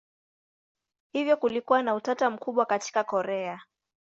Hivyo kulikuwa na utata mkubwa katika Korea.